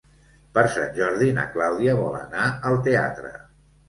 Per Sant Jordi na Clàudia vol anar al teatre.